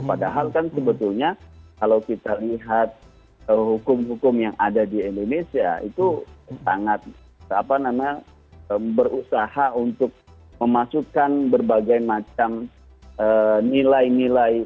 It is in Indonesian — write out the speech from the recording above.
padahal kan sebetulnya kalau kita lihat hukum hukum yang ada di indonesia itu sangat berusaha untuk memasukkan berbagai macam nilai nilai